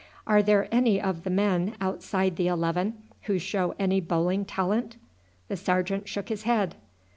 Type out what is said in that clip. Are there any of the men outside the eleven who show any bowling talent?" The sergeant shook his head.